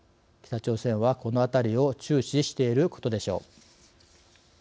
北朝鮮はこのあたりを注視していることでしょう。